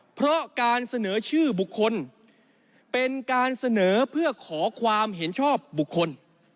เพราะการเสนอชื่อบุคคลเป็นการเสนอเพื่อขอความเห็นชอบบุคคล